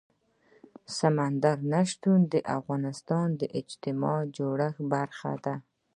سمندر نه شتون د افغانستان د اجتماعي جوړښت برخه ده.